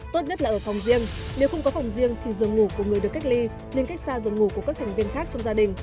tốt nhất là ở phòng riêng nếu không có phòng riêng thì giường ngủ của người được cách ly nên cách xa giường ngủ của các thành viên khác trong gia đình